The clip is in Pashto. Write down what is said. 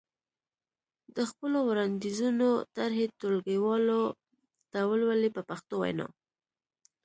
د خپلو وړاندیزونو طرحې ټولګیوالو ته ولولئ په پښتو وینا.